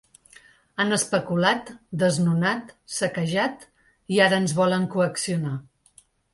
Han especulat, desnonat, saquejat i ara ens volen coaccionar.